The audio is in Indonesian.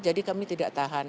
jadi kami tidak tahan